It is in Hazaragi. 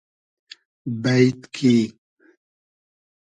بݷد کی